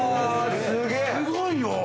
すごいよ。